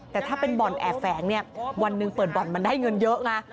แต่ถ้าเป็นบ่อนแอบแฝงเนี่ยวันหนึ่งเปิดบ่อนมันได้เงินเยอะไง